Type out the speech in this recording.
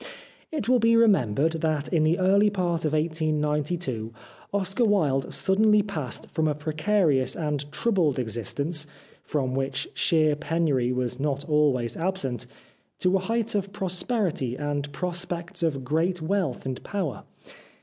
It will be remembered that in the early part of 1892 Oscar Wilde suddenly passed from a precarious and troubled existence, from which sheer penury was not always absent, to a height of prosperity and prospects of great wealth and power.